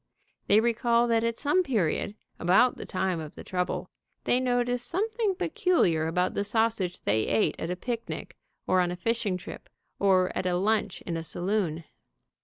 They recall that at some period, about the time of the trouble, they noticed something peculiar about the sausage they ate at a picnic, or on a fishing trip, or at a lunch in a saloon.